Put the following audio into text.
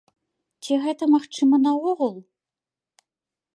Ці гэта магчыма наогул?